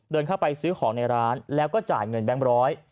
เดินเข้าไปซื้อของในร้านแล้วก็จ่ายเงินแบงค์ร้อย